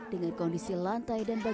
dengan kondisi lantai dan bangunan